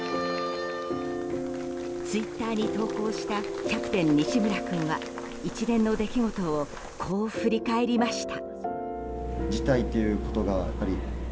ツイッターに投稿したキャプテン西村君は一連の出来事をこう振り返りました。